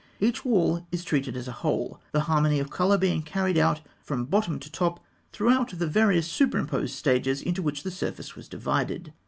Each wall is treated as a whole, the harmony of colour being carried out from bottom to top throughout the various superimposed stages into which the surface was divided.